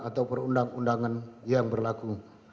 atau perundang undangan yang berlaku